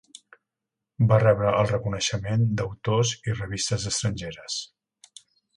Va rebre el reconeixement d'autors i revistes estrangeres.